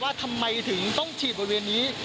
ทำไมถึงต้องฉีดบริเวณนี้